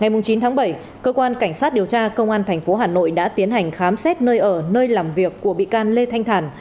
ngày chín tháng bảy cơ quan cảnh sát điều tra công an tp hà nội đã tiến hành khám xét nơi ở nơi làm việc của bị can lê thanh thản